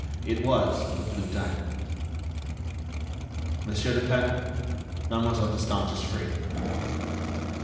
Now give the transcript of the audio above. It was the blue diamond. "Monsieur Lupin, Mademoiselle Destange is free."